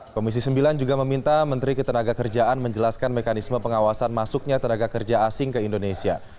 komisi sembilan juga meminta menteri ketenaga kerjaan menjelaskan mekanisme pengawasan masuknya tenaga kerja asing ke indonesia